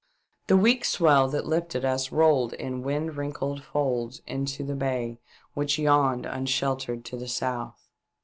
The weak swell that lifted us rolled in wind wrinkled folds into the bay, which yawned unsheltered to the south.